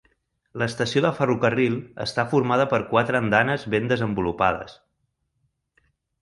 L'estació de ferrocarril està formada per quatre andanes ben desenvolupades.